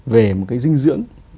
về một cái dinh dưỡng